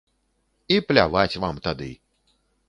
І пляваць вам тады!